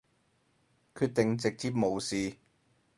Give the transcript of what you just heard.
決定直接無視